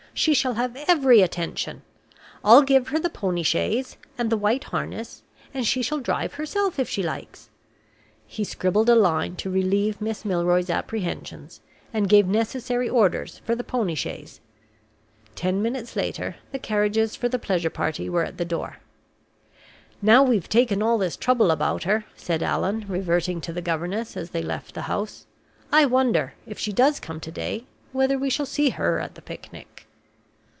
"She shall have every attention. I'll give her the pony chaise and the white harness, and she shall drive herself, if she likes." He scribbled a line to relieve Miss Milroy's apprehensions, and gave the necessary orders for the pony chaise. Ten minutes later, the carriages for the pleasure party were at the door. "Now we've taken all this trouble about her," said Allan, reverting to the governess as they left the house, "I wonder, if she does come to day, whether we shall see her at the picnic!"